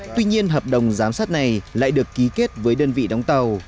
tuy nhiên hợp đồng giám sát này lại được ký kết với đơn vị đóng tàu